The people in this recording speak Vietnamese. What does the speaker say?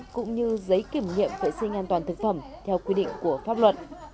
cũng như giấy kiểm nghiệm vệ sinh an toàn thực phẩm theo quy định của pháp luật